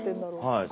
はい。